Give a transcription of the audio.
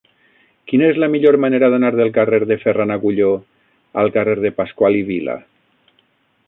Quina és la millor manera d'anar del carrer de Ferran Agulló al carrer de Pascual i Vila?